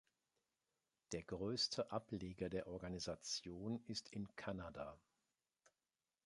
Der größte Ableger der Organisation ist in Canada.